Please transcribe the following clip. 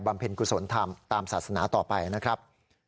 บำเพ็ญกุศลธรรมตามศาสนาต่อไปนะครับ